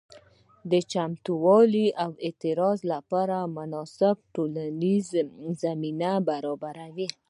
دا چمتووالي د اعتراض لپاره مناسبه ټولنیزه زمینه برابروي.